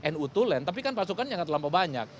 nu to land tapi kan pasukan yang terlalu banyak